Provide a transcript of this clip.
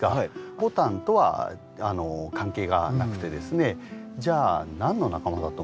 ボタンとは関係がなくてですねじゃあ何の仲間だと思います？